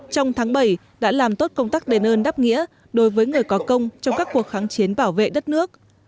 trong tháng bảy đã làm tốt công tác đền ơn đáp nghĩa đối với người có công trong các cuộc kháng chiến bảo vệ đất nước